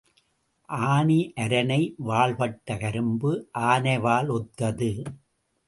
ஆனி அரணை வால் பட்ட கரும்பு, ஆனை வால் ஒத்தது.